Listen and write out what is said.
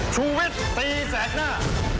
ชุวิตตีแสดหน้า